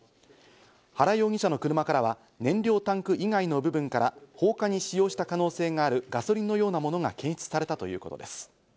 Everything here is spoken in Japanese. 原容疑者の車からは燃料タンク以外の部分から放火に使用した可能性があるガソリンのようなものが検出されたということです。